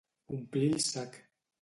Omplir el sac.